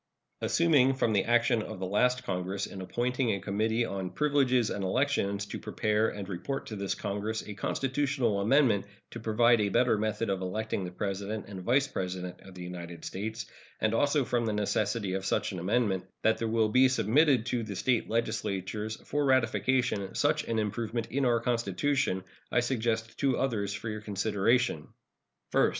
Assuming from the action of the last Congress in appointing a Committee on Privileges and Elections to prepare and report to this Congress a constitutional amendment to provide a better method of electing the President and Vice President of the United States, and also from the necessity of such an amendment, that there will be submitted to the State legislatures for ratification such an improvement in our Constitution, I suggest two others for your consideration: First.